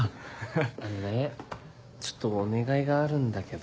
あのねちょっとお願いがあるんだけど。